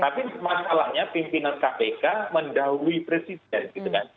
tapi masalahnya pimpinan kpk mendahului presiden gitu kan